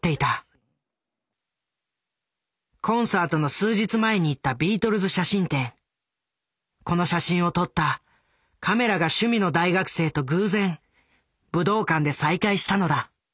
コンサートの数日前に行ったこの写真を撮ったカメラが趣味の大学生と偶然武道館で再会したのだ。